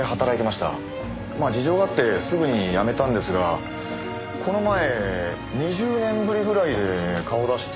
まあ事情があってすぐに辞めたんですがこの前２０年ぶりぐらいで顔を出して。